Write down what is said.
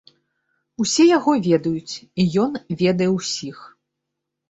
Усе яго ведаюць, і ён ведае ўсіх.